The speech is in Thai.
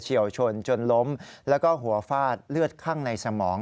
วชนจนล้มแล้วก็หัวฟาดเลือดข้างในสมอง